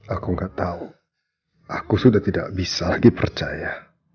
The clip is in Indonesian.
aku nggak tahu aku sudah tidak bisa lagi percaya